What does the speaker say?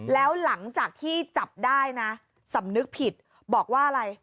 แล้วหลังจากที่จับได้นะสำนึกผิดบอกว่าอะไร